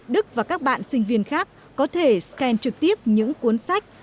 đức và các bạn sinh viên khác có thể scan trực tiếp những cuốn sách